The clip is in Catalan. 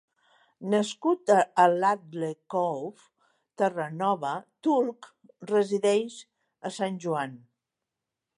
Nascut a Ladle Cove, Terranova, Tulk resideix a Sant Joan.